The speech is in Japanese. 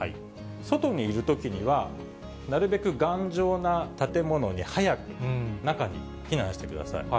外にいるときには、なるべく頑丈な建物に早く中に避難してください。